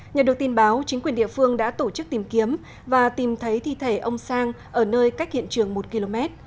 nhờ được tin báo chính quyền địa phương đã tổ chức tìm kiếm và tìm thấy thi thể ông sang ở nơi cách hiện trường một km